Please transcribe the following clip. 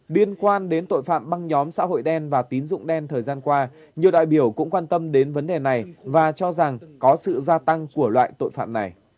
liên quan đến tội phạm băng nhóm xã hội đen và tín dụng đen thời gian qua nhiều đại biểu cũng quan tâm đến vấn đề này và cho rằng có sự gia tăng của loại tội phạm này